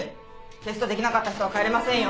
テストできなかった人は帰れませんよ。